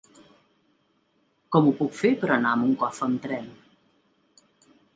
Com ho puc fer per anar a Moncofa amb tren?